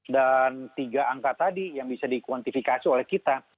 dan tiga angka tadi yang bisa dikuantifikasi oleh kita